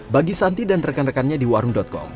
bagi santi dan rekan rekannya di warung com